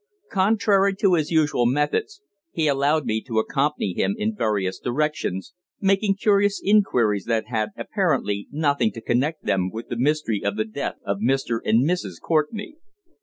Contrary to his usual methods, he allowed me to accompany him in various directions, making curious inquiries that had apparently nothing to connect them with the mystery of the death of Mr. and Mrs. Courtenay.